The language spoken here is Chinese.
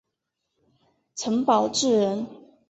陈宝炽人。